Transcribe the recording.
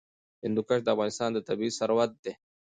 هندوکش د افغانستان طبعي ثروت دی.